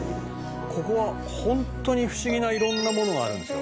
「ここはホントに不思議な色んなものがあるんですよ」